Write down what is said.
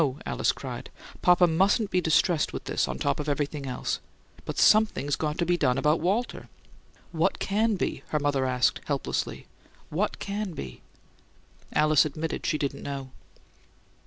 Alice cried. "Papa mustn't be distressed with this, on top of everything else. But SOMETHING'S got to be done about Walter." "What can be?" her mother asked, helplessly. "What can be?" Alice admitted that she didn't know.